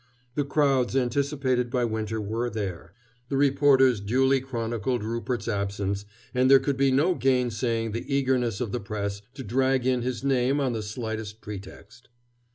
The crowds anticipated by Winter were there, the reporters duly chronicled Rupert's absence, and there could be no gainsaying the eagerness of the press to drag in his name on the slightest pretext.